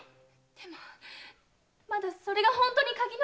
でもまだそれが本当に鍵の形だとは。